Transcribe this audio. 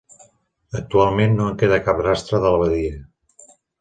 Actualment no en queda cap rastre de l'abadia.